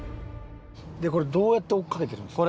これどうやって追っかけてるんですか？